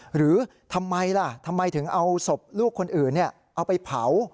หรือทำไมล่ะทำไมถึงเอาศพลูกคนอื่นเอาไปเผา